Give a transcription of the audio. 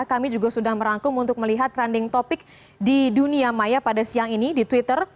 kami juga sudah merangkum untuk melihat trending topic di dunia maya pada siang ini di twitter